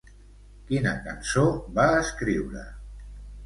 Quina cançó va escriure?